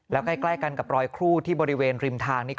แล้วใกล้กันกับรอยครูดที่บริเวณริมทางนี้